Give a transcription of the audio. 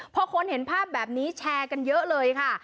พอคนเห็นภาพแบบนี้แชร์กันเยอะเลยค่ะ